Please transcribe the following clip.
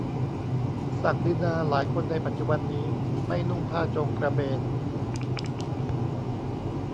ศักดินาหลายคนในปัจจุบันนี้ ไม่นุ่งผ้าโจงกระเบน